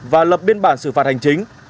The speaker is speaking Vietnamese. và lập biên bản xử phạt hành chính